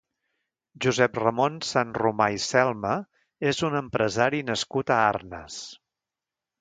Josep-Ramon Sanromà i Celma és un empresari nascut a Arnes.